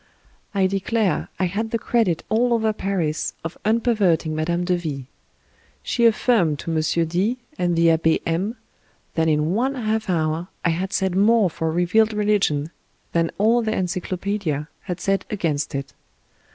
I declare I had the credit all over Paris of unperverting Mme. de V . She affirmed to M. D and the Abbe M that in one half hour I had said more for revealed religion than all their encyclopaedia had said against it.